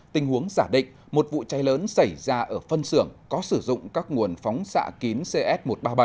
tình huống giả định một vụ cháy lớn xảy ra ở phân xưởng có sử dụng các nguồn phóng xạ kín cs một trăm ba mươi bảy